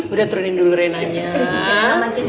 udah turunin dulu renanya